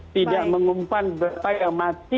tidak mengumumkan berapa yang masih